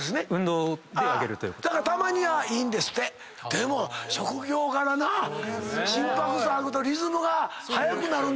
でも職業柄心拍数上がるとリズムが速くなるんだ。